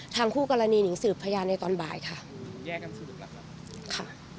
คู่กรณีหนีสืบพยานในตอนบ่ายค่ะแยกกันสืบหลักแล้วค่ะ